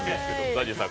ＺＡＺＹさん